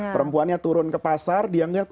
perempuannya turun ke pasar dia ngelihat